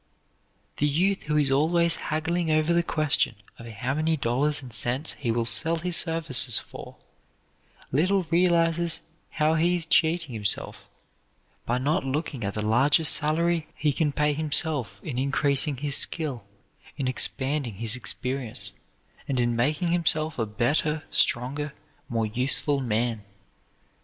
The youth who is always haggling over the question of how many dollars and cents he will sell his services for, little realizes how he is cheating himself by not looking at the larger salary he can pay himself in increasing his skill, in expanding his experience, and in making himself a better, stronger, more useful man.